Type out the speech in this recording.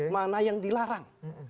mana yang dilarang